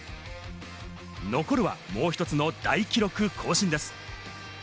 残るは、もう一つの大記録更新です。